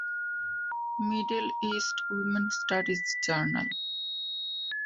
Middle East women studies journal.